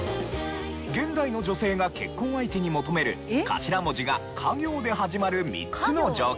現代の女性が結婚相手に求める頭文字がか行で始まる３つの条件。